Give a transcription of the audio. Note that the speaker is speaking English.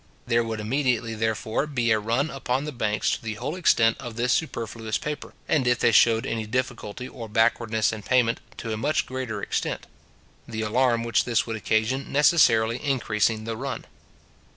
There would immediately, therefore, be a run upon the banks to the whole extent of this superfluous paper, and if they showed any difficulty or backwardness in payment, to a much greater extent; the alarm which this would occasion necessarily increasing the run.